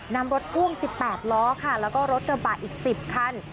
นำรถพ่วง๑๘ล้อค่ะแล้วก็รถกระบะอีก๑๐คัน